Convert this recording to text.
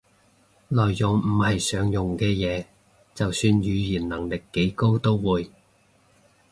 內容唔係常用嘅嘢，就算語言能力幾高都會